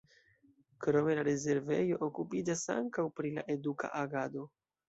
Krome la rezervejo okupiĝas ankaŭ pri la eduka agado.